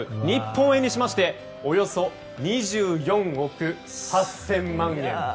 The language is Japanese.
日本円にしましておよそ２４億８０００万円。